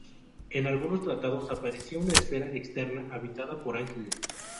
En algunos tratados aparecía una esfera externa, habitada por ángeles.